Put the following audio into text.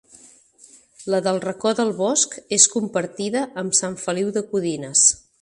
La del Racó del Bosc és compartida amb Sant Feliu de Codines.